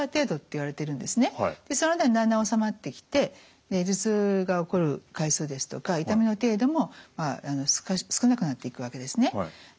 その間にだんだん治まってきて頭痛が起こる回数ですとか痛みの程度も少なくなっていくわけですね。